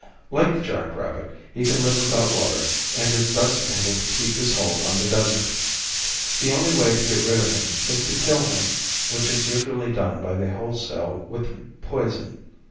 Like the jack rabbit he can live without water and is thus able to keep his hold on the desert. The only way to get rid of him is to kill him, which is usually done by the wholesale with poison.